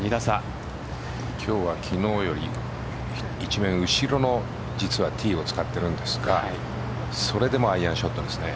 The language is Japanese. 今日は昨日より１面後ろの実はティーを使っているんですがそれでもアイアンショットですね。